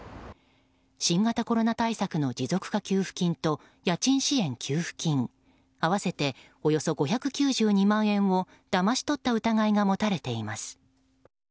新型コロナ対策の持続化給付金と家賃支援給付金合わせておよそ５９２万円をだまし取った疑いが持たれています。